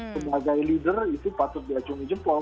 sebagai leader itu patut diacungi jempol